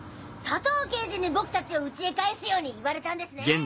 佐藤刑事に僕達を家へ帰すように言われたんですね！